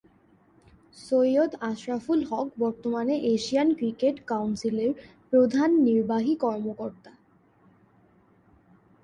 সৈয়দ আশরাফুল হক বর্তমানে Asian cricket কাউন্সিলের প্রধান নির্বাহী কর্মকর্তা।